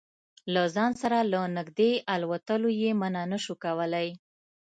له ځان سره له نږدې الوتلو یې منع نه شو کولای.